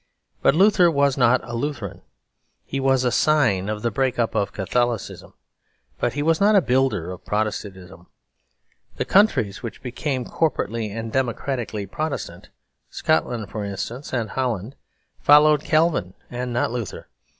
But Luther was not a Lutheran. He was a sign of the break up of Catholicism; but he was not a builder of Protestantism. The countries which became corporately and democratically Protestant, Scotland, for instance, and Holland, followed Calvin and not Luther.